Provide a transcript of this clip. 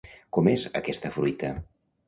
Com és aquesta fruita?